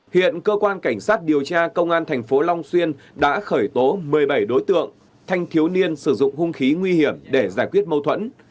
hiện cơ quan cảnh sát điều tra công an thành phố long xuyên đã khởi tố một mươi bảy đối tượng thanh thiếu niên sử dụng hung khí nguy hiểm để giải quyết mâu thuẫn